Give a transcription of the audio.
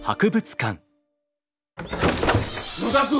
野田君！